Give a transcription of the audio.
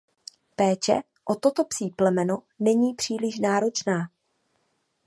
Péče o toto psí plemeno není příliš náročná.